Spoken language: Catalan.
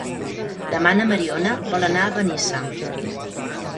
Demà na Mariona vol anar a Benissa.